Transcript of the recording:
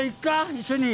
一緒に。